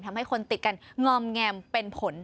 ทำให้คนติดกันงอมแงมเป็นผล